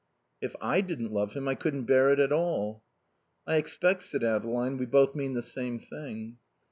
"If I didn't love him, I couldn't bear it at all." "I expect," said Adeline, "we both mean the same thing."